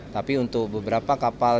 tapi untuk beberapa kapal